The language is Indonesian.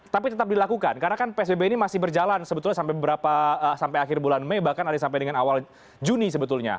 tapi tetap dilakukan karena kan psbb ini masih berjalan sebetulnya sampai berapa sampai akhir bulan mei bahkan ada yang sampai dengan awal juni sebetulnya